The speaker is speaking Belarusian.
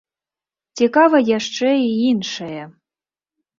Цікава яшчэ і іншае.